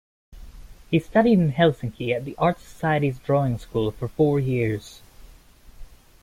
He studied in Helsinki at the Art Society's Drawing School for four years.